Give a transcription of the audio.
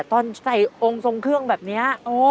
ตอนใส่องค์ทรงเครื่องแบบนี้